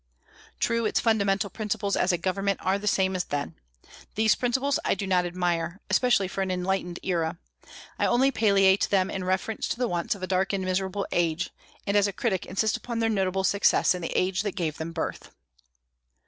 True, its fundamental principles as a government are the same as then. These principles I do not admire, especially for an enlightened era. I only palliate them in reference to the wants of a dark and miserable age, and as a critic insist upon their notable success in the age that gave them birth.